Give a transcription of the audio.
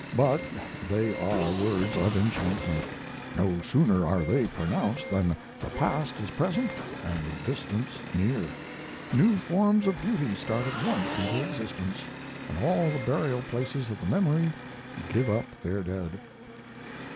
But they are words of enchantment. No sooner are they pronounced than the past is present and the distance near. New forms of beauty start at once into existence, and all the burial places of the memory give up their dead."